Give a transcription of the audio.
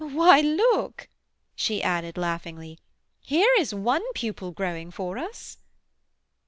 Why, look," she added laughingly, "here is one pupil growing for us!"